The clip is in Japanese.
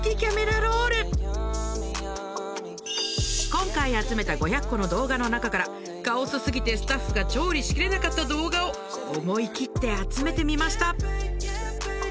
今回集めた５００個の動画のなかからカオスすぎてスタッフが調理しきれなかった動画を思い切って集めてみました